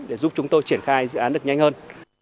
để giúp chúng tôi triển khai dự án được nhanh hơn